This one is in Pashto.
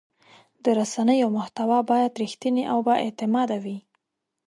د رسنیو محتوا باید رښتینې او بااعتماده وي.